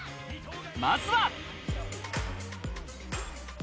まずは。